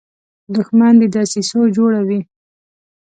دښمن د دسیسو جوړه وي